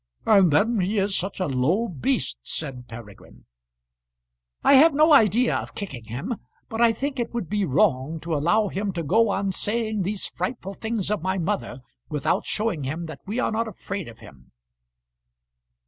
"And then he is such a low beast," said Peregrine. "I have no idea of kicking him, but I think it would be wrong to allow him to go on saying these frightful things of my mother, without showing him that we are not afraid of him."